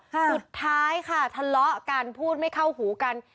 สุดท้ายค่ะทะเลาะกันพูดไม่เข้าหูกัน